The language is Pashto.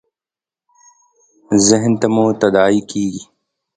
ذهن ته مو تداعي کېږي .